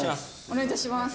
お願い致します。